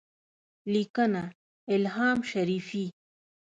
-لیکنه: الهام شریفي